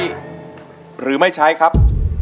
ใช้หรือไม่ใช้ครับ